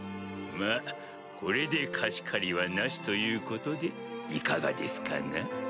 まぁこれで貸し借りはなしということでいかがですかな？